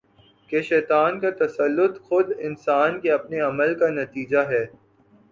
کہ شیطان کا تسلط خود انسان کے اپنے عمل کا نتیجہ ہے